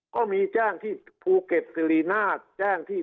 คราวนี้เจ้าหน้าที่ป่าไม้รับรองแนวเนี่ยจะต้องเป็นหนังสือจากอธิบดี